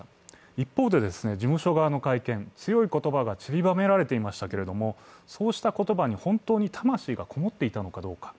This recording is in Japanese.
一方で事務所側の会見、強い言葉がちりばめられていましたけれどもそうした言葉に本当に魂がこもっていたのかどうか。